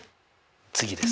次です。